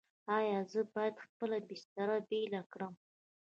ایا زه باید خپله بستر بیله کړم؟